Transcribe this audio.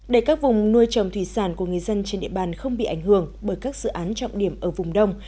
để các vùng nuôi trồng thủy sản của người dân trên địa bàn không bị ảnh hưởng bởi các dự án trọng điểm ở vùng đông